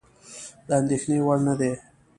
د اندېښنې وړ نه دي.